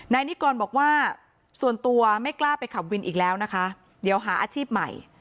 นายนิกรบอกว่าส่วนตัวไม่กล้าไปขับวินอีกแล้วนะคะเดี๋ยวหาอาชีพใหม่